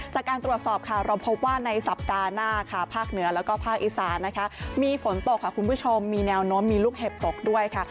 จากการตรวจสอบค่ะเราพบว่าในสัปดาห์หน้าค่ะภาคเหนือแล้วก็ภาคอีสานนะคะมีฝนตกค่ะคุณผู้ชมมีแนวโน้มมีลูกเห็บตกด้วยค่ะ